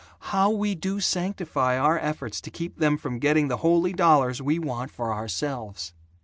How we do sanctify our efforts to keep them from getting the holy dollars we want for ourselves!